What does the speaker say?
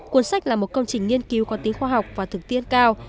cuốn sách là một công trình nghiên cứu có tính khoa học và thực tiễn cao